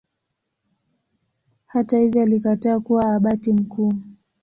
Hata hivyo alikataa kuwa Abati mkuu.